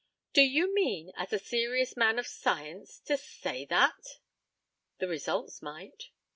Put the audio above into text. Do you mean, as a serious man of science, to say that? The results might.